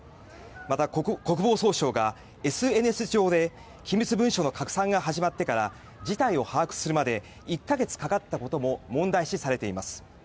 また、国防総省がＳＮＳ上で機密文書の拡散が始まってから事態を把握するまで１か月かかったことも問題視されています。